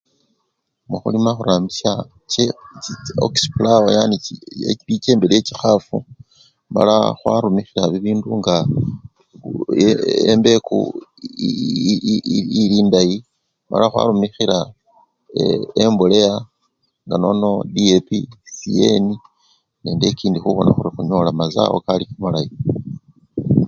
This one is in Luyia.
Mukhulima khurambisya che! chi! oxi-pulawo yani ye!li! lichembe lyechikhafu mala khwarumikhila bibindu nga e! i! e! embeku i! i! i! ili-endayi, mala khwarumikhila ee! emboleya nga nono DAP, CN nende ekindi khubona khuri khunyola mazawo kali kamalayi.